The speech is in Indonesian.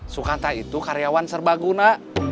sukanta itu karyawan serbaguna